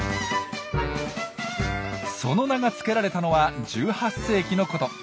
その名がつけられたのは１８世紀のこと。